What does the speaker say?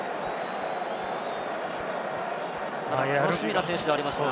楽しみな選手ではありますが。